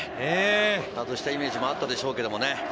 外したイメージもあったでしょうけどね。